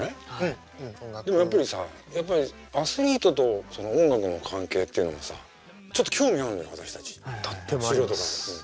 でもやっぱりさアスリートと音楽の関係っていうのもさちょっと興味あるのよ私たち素人からすると。